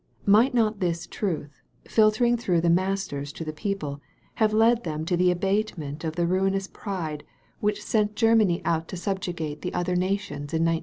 Might not this truth, filtering through the masters to the people, have led them to the abatement of the ruinous pride which sent Ger 196 A CLASSIC INSTANCE many out to subjugate the other nations in 1914?